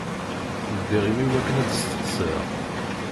Ldiɣ imi-w akken ad t-steqsiɣ.